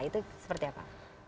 itu seperti apa